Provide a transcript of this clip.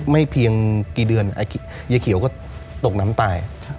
ไม่เพียงกี่เดือนยายเขียวก็ตกน้ำตาย